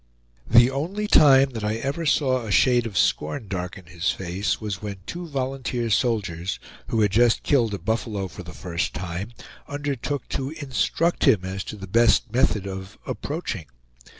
The only time that I ever saw a shade of scorn darken his face was when two volunteer soldiers, who had just killed a buffalo for the first time, undertook to instruct him as to the best method of "approaching."